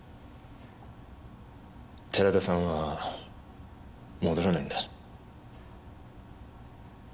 寺田さんは戻らないんだ。